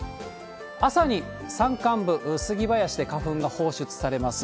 朝に山間部、スギ林で花粉が放出されます。